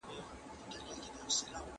تر اوسه په مستندو علمي او تاریخي منابعو کې